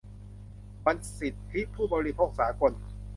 วันสิทธิผู้บริโภคสากล